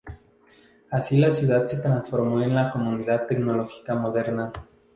Así la ciudad se transformó en una comunidad tecnológica moderna.